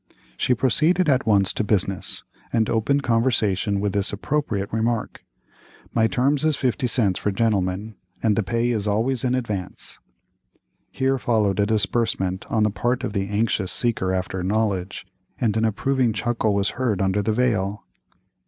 She proceeded at once to business, and opened conversation with this appropriate remark: "My terms is fifty cents for gentlemen, and the pay is always in advance." Here followed a disbursement on the part of the anxious seeker after knowledge, and an approving chuckle was heard under the veil.